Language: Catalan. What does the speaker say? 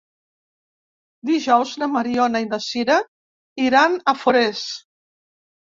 Dijous na Mariona i na Sira iran a Forès.